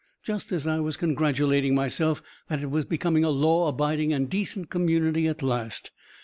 Just as I was congratulating myself that it was becoming a law abiding and decent community at last!